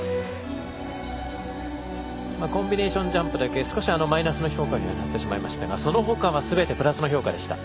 コンビネーションジャンプだけ少しマイナスの評価にはなってしまいましたが、その他はすべてプラスの評価でした。